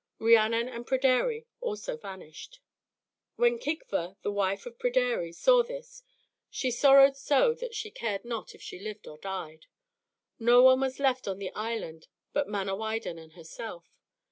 Rhiannon and Pryderi also vanished. When Kigva, the wife of Pryderi, saw this, she sorrowed so that she cared not if she lived or died. No one was left on the island but Manawydan and herself.